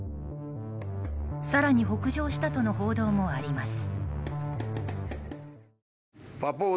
更に北上したとの報道もあります。